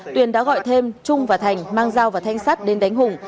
tuyền đã gọi thêm trung và thành mang dao và thanh sắt đến đánh hùng